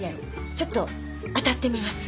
ちょっと当たってみます。